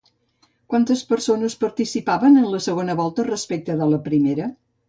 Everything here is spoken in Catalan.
Quantes persones participaven en la segona volta respecte de la primera?